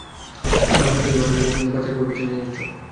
পালার ক্ষমতা তো নেই, অথচ বাচ্চার পর বাচ্চা নিয়ে যাচ্ছো।